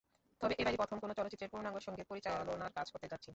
তবে এবারই প্রথম কোনো চলচ্চিত্রের পূর্ণাঙ্গ সংগীত পরিচালনার কাজ করতে যাচ্ছি।